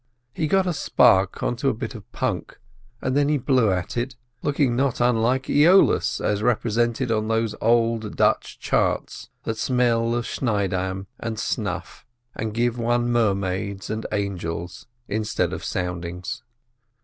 He got a spark on to a bit of punk, and then he blew at it, looking not unlike Æolus as represented on those old Dutch charts that smell of schiedam and snuff, and give one mermaids and angels instead of soundings.